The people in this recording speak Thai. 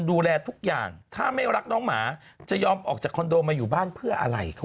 ดูแลทุกอย่างถ้าไม่รักน้องหมาจะยอมออกจากคอนโดมาอยู่บ้านเพื่ออะไรเขา